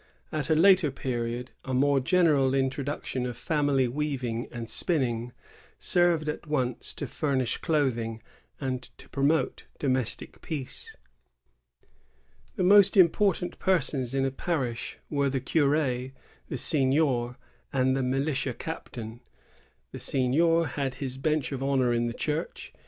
At a later period, a more general introduction of family weaving and spinning served at once to furnish clothing and to promote domestic peace. The most important persons in a parish were the cur^, the seignior, and the militia captain. The seignior had his bench of honor in the church.